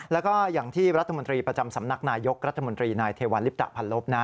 แล้วก็อย่างที่รัฐมนตรีประจำสำนักนายกรัฐมนตรีนายเทวัลลิปตะพันลบนะ